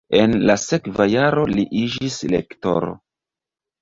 En la sekva jaro li iĝis lektoro.